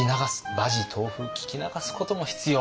馬耳東風聞き流すことも必要。